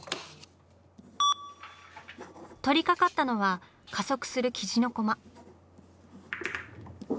取りかかったのは加速する雉のコマ。